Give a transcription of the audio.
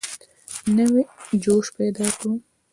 نوی جوش پیدا کړ.